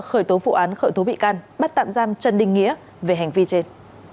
cơ quan cảnh sát điều tra công an khởi tố bị can bắt tạm giam trần ninh nghĩa về hành vi trên